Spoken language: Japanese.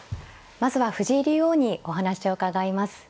まずは藤井竜王にお話を伺います。